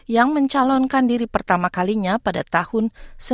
yang mencalonkan diri pertama kalinya pada tahun seribu sembilan ratus sembilan puluh